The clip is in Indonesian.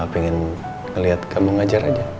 pengen ngeliat kamu ngajar aja